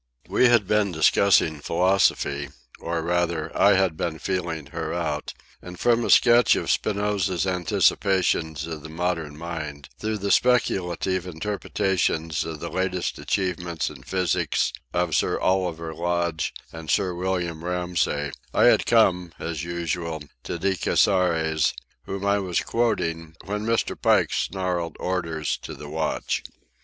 We had been discussing philosophy—or, rather, I had been feeling her out; and from a sketch of Spinoza's anticipations of the modern mind, through the speculative interpretations of the latest achievements in physics of Sir Oliver Lodge and Sir William Ramsay, I had come, as usual, to De Casseres, whom I was quoting, when Mr. Pike snarled orders to the watch.